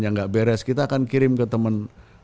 yang gak beres kita akan kirim ke teman